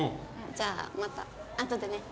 じゃあまた後でね。